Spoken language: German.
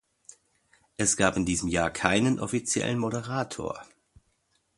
Es gab in diesem Jahr keinen offiziellen Moderator.